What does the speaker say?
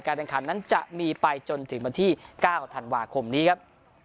การทางขันนั้นจะมีไปจนถึงมาที่เก้าธันวาคมนี้ครับ